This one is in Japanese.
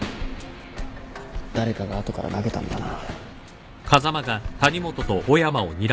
誰かが後から投げたんだな。